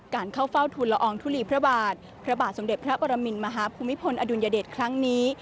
การเข้าเฝ้าทุนละอองทุลีพระบาทพระบาทสมเด็จพระปรมินมหาภูมิพลอดุลยเดชครั้งนี้